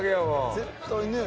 絶対ね。